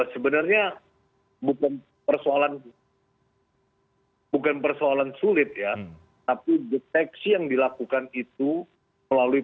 sebenarnya bukan persoalan bukan persoalan sulit ya tapi deteksi yang dilakukan itu melalui